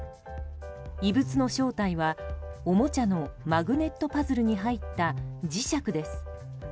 異物の正体はおもちゃのマグネットパズルに入った磁石です。